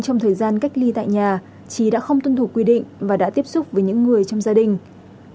trong thời gian cách ly tại nhà trí đã không tuân thủ quy định và đã tiếp xúc với những người trong gia đình